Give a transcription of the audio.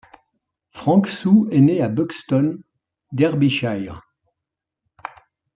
Frank Soo est né à Buxton, Derbyshire.